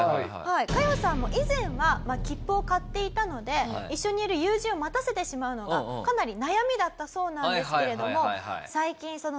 カヨさんも以前は切符を買っていたので一緒にいる友人を待たせてしまうのがかなり悩みだったそうなんですけれども。